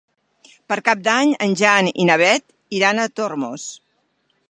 Per Cap d'Any en Jan i na Beth iran a Tormos.